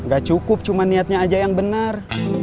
gak cukup cuma niatnya aja yang benar